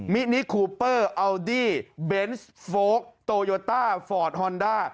มินิคูเปอร์อัลดี้เบนส์โฟลกโตโยต้าฟอร์ดฮอนด้า